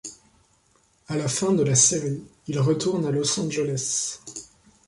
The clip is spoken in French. À la fin de la série, il retourne à Los Angeles.